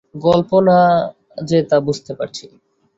গল্প না যে তা বুঝতে পারছি।